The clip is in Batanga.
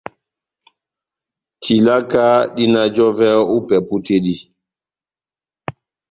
Tilaka dina jɔvɛ ó ipɛpu tɛ́ dí.